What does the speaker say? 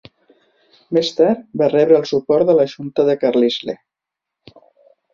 Més tard va rebre el suport de la junta de Carlisle.